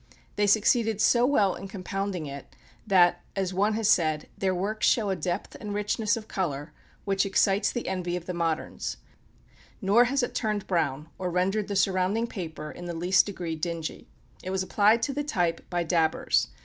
They succeeded so well in compounding it that, as one has said, "their works show a depth and richness of color which excites the envy of the moderns; nor has it turned brown, or rendered the surrounding paper in the least degree dingy." It was applied to the type by dabbers.